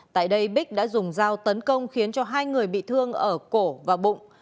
tại đây bích đã dùng dao tấn công khiến cho hai người bị thương ở cổ và bụng